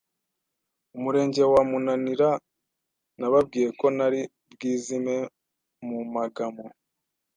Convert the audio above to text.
Umurenge wa Munanira Nababwiye ko ntari bwizime mu magamo